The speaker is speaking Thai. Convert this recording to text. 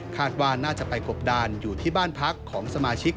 คาดว่าน่าจะไปกบดานอยู่ที่บ้านพักของสมาชิก